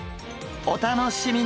お楽しみに！